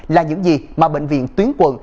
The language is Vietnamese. là những gì mà bệnh viện tuyến quận